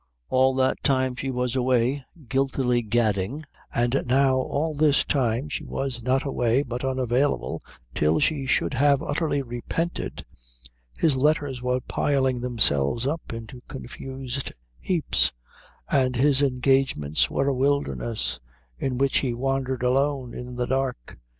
All that time she was away guiltily gadding, and now all this time she was not away but unavailable till she should have utterly repented, his letters were piling themselves up into confused heaps, and his engagements were a wilderness in which he wandered alone in the dark.